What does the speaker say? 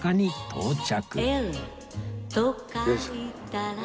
到着！